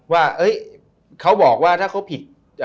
ว่าเขาบอกว่าถ้าเขาผิด